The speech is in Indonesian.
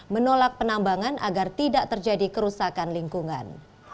menolak penambangan agar tidak terjadi kerusakan lingkungan